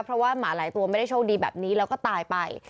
เพราะว่าหมาหลายตัวไม่ได้โชคดีแบบนี้แล้วก็ตายไป